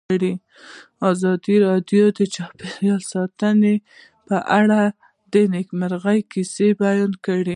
ازادي راډیو د چاپیریال ساتنه په اړه د نېکمرغۍ کیسې بیان کړې.